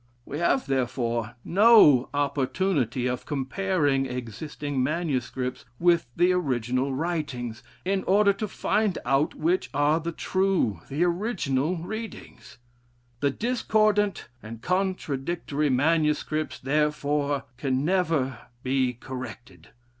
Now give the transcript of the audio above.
We have, therefore, no opportunity of comparing existing manuscripts with the original writings, in order to and out which are the true, the original readings. The discordant and contradictory manuscripts, therefore, can never be corrected....